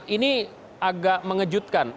ini agak mengejutkan